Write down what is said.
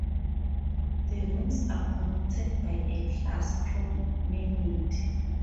The wings are connected by a glass promenade.